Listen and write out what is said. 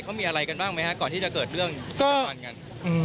เขามีอะไรกันบ้างไหมฮะก่อนที่จะเกิดเรื่องตะวันกัน